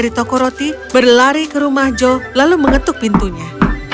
dia mencoba membeli coklat dari toko roti berlari ke rumah joe lalu mengetuk pintunya